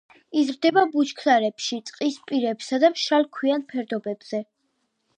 იზრდება ბუჩქნარებში, ტყის პირებსა და მშრალ ქვიან ფერდობებზე.